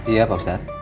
iya pak ustadz